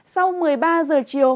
sau một mươi ba giờ chiều